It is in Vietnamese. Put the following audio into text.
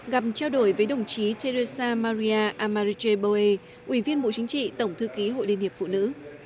gặp trao đổi với đồng chí teresa maría amarillo boé ủy viên bộ chính trị tổng thư ký hội liên hiệp phụ nữ